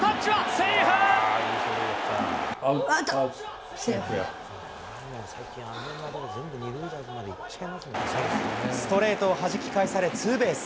ストレートをはじき返されツーベース。